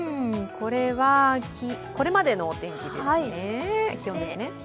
これは、これまでのお天気ですね